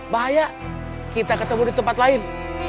bahaya kita ketemu di tempat lain